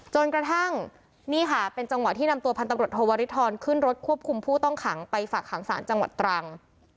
จนกระทั่งนี่ค่ะเป็นจังหวะที่นำตัวพันตำรวจโทวริทรขึ้นรถควบคุมผู้ต้องขังไปฝากหางศาลจังหวัดตรัง